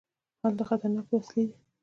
هلته خطرناکې وسلې دي.